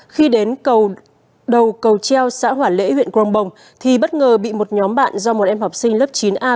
khi đến đầu cầu treo xã hỏa lễ huyện grongbong thì bất ngờ bị một nhóm bạn do một em học sinh lớp chín a